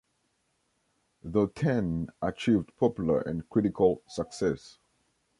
The Ten achieved popular and critical success.